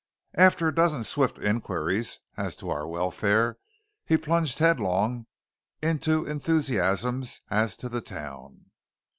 After a dozen swift inquiries as to our welfare, he plunged headlong into enthusiasms as to the town.